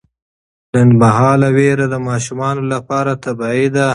لنډمهاله ویره د ماشومانو لپاره طبیعي ده.